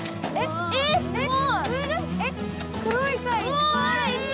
えすごい！